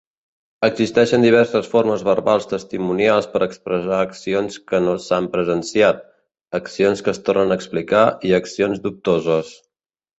Existeixen diverses formes verbals testimonials per expressar accions que no s'han presenciat, accions que es tornen a explicar i accions dubtoses.